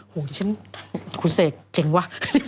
โหฉันคุณเสกเจ๋งวะ